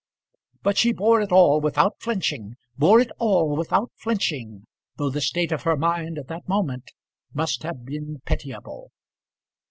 But she bore it all without flinching; bore it all without flinching, though the state of her mind at that moment must have been pitiable.